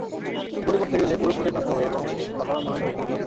এইগুলি করতে গেলে পুরো প্রজেক্ট নষ্ট হবে এবং সাধারণ মানুষ ভুক্তভোগী হবে।